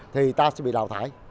thì ta sẽ bị đào thải